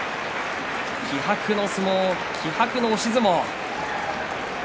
気迫の相撲、気迫の押し相撲。